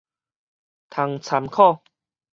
通參考